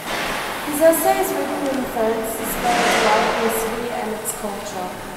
His essays written in France display a delight in the city and its culture.